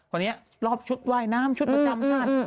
วันนี้รอบชุดว่ายน้ำชุดประจำชาติ